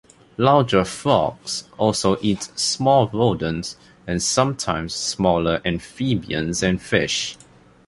Larger frogs also eat small rodents and sometimes smaller amphibians and fish.